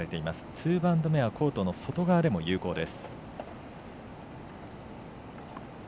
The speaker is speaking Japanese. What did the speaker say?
ツーバウンド目はコートの外側でも有効です。